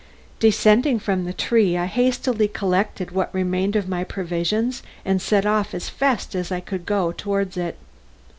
Descending from the tree I hastily collected what remained of my provisions and set off as fast as I could go towards it.